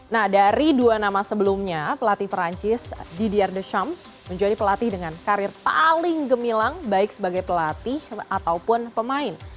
nah dari dua nama sebelumnya pelatih perancis didiar deshams menjadi pelatih dengan karir paling gemilang baik sebagai pelatih ataupun pemain